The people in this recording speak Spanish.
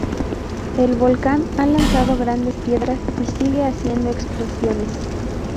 El volcán ha lanzado grandes piedras y sigue haciendo explosiones.